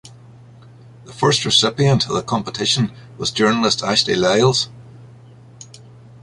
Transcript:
The first recipient of the competition was journalist Ashley Lyles.